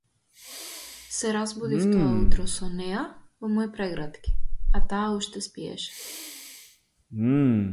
Се разбудив тоа утро со неа во мои прегратки, а таа уште спиеше.